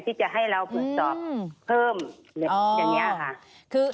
ที่จะให้เราปริศนาฬิกาเพิ่มอย่างนี้ค่ะ